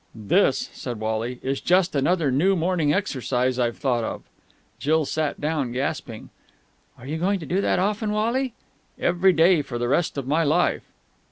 "This," said Wally, "is just another new morning exercise I've thought of!" Jill sat down, gasping. "Are you going to do that often, Wally?" "Every day for the rest of my life!"